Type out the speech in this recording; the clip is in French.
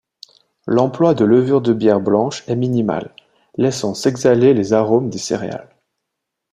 L'emploi de levure de bière blanche est minimal, laissant s'exhaler les arômes des céréales.